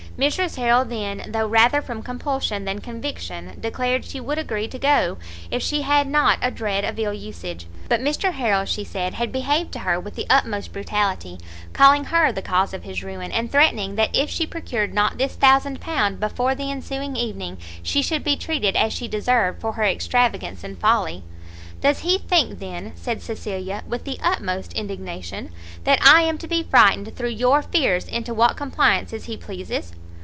Mrs Harrel then, though rather from compulsion than conviction, declared she would agree to go, if she had not a dread of ill usage; but Mr Harrel, she said, had behaved to her with the utmost brutality, calling her the cause of his ruin, and threatening that if she procured not this thousand pound before the ensuing evening, she should be treated as she deserved for her extravagance and folly. "Does he think, then," said Cecilia with the utmost indignation, "that I am to be frightened through your fears into what compliances he pleases?"